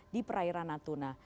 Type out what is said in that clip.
di perairan natuna